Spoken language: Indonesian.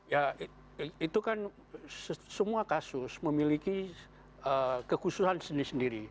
ya itu kan semua kasus memiliki kekhususan sendiri sendiri